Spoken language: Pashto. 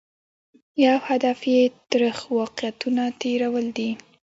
یو هدف یې ترخ واقعیتونه تېرول دي.